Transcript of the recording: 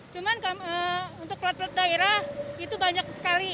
cuman untuk pelat pelat daerah itu banyak sekali